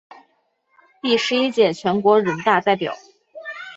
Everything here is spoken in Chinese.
第十一届全国人大代表。